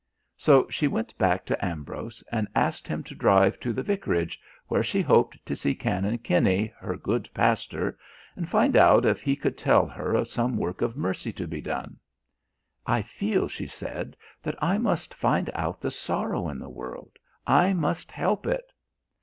So she went back to Ambrose and asked him to drive to the vicarage where she hoped to see Canon Kenny, her good pastor, and find out if he could tell her of some work of mercy to be done. "I feel," she said, "that I must find out the sorrow in the world, I must help it."